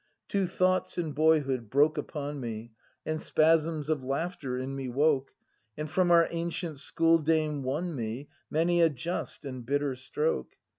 ] Two thoughts in boyhood broke upon me, And spasms of laughter in me woke, And from our ancient school dame won me Many a just and bitter stroke.